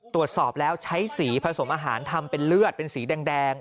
ตรวจสอบแล้วใช้สีผสมอาหารทำเป็นเลือดเป็นสีแดง